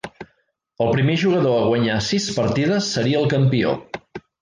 El primer jugador a guanyar sis partides seria el campió.